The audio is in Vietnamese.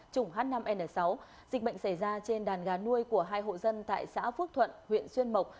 chủng h năm n sáu dịch bệnh xảy ra trên đàn gà nuôi của hai hộ dân tại xã phước thuận huyện xuyên mộc